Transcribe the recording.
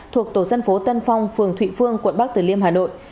thuộc tổ dân phố tân phong phường thụy phương quận bắc tử liêm hà nội